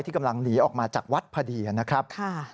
กำลังหนีออกมาจากวัดพอดีนะครับ